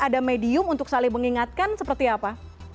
ada medium untuk saling mengingatkan seperti apa